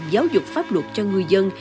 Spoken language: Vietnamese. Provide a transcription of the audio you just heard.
giáo dục pháp luật cho người dân